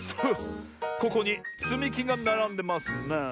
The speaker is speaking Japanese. ここにつみきがならんでますね。